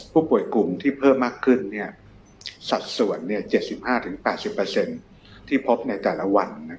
ผู้ป่วยกลุ่มที่เพิ่มมากขึ้นสัดส่วน๗๕๘๐ที่พบในแต่ละวัน